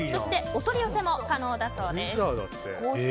お取り寄せも可能だそうです。